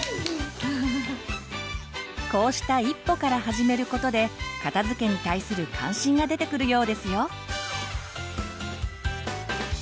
こうした一歩から始めることで片づけに対する関心が出てくるようですよ。